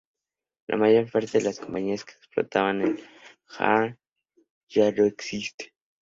La mayor parte de las compañías que explotaban al jarrah ya no existen.